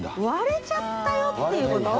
割れちゃったよっていう事？